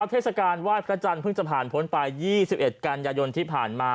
เทศกาลไหว้พระจันทร์เพิ่งจะผ่านพ้นไป๒๑กันยายนที่ผ่านมา